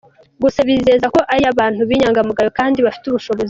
Gusa bizeza ko aria bantu b’inyangamugaypo kandi bafite ubushobozi.